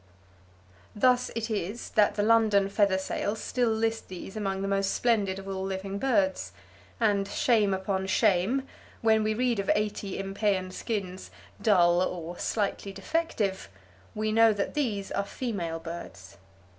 Thus it is that the London feather sales still list these among the most splendid of all living birds. And shame upon shame, when we read of 80 impeyan skins "dull," or "slightly defective," we know that these are female birds.